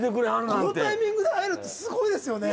このタイミングで会えるってすごいですよね！